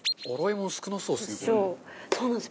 そうなんです。